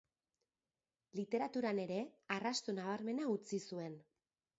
Literaturan ere arrasto nabarmena utzi zuen.